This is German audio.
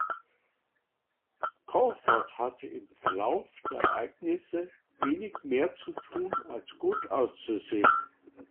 Crawford hatte im Verlauf der Ereignisse wenig mehr zu tun, als gut auszusehen.